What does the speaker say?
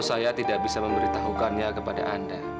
saya tidak bisa memberitahukannya kepada anda